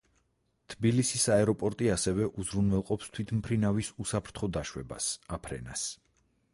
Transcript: თბილისის აეროპორტი ასევე უზრუნველყოფს თვითმფრინავის უსაფრთხო დაშვებას, აფრენას.